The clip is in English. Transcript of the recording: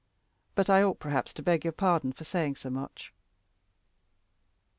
"But I ought perhaps to beg your pardon for saying so much."